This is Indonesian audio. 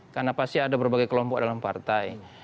karena pasti ada berbagai kelompok dalam partai